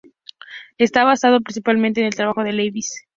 Estaba basado principalmente en el trabajo de Leibniz.